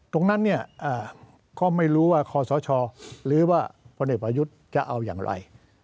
ตรงนั้นเนี่ยก็ไม่รู้ว่าคอสชหรือว่าพลเอกประยุทธ์จะเอาอย่างไร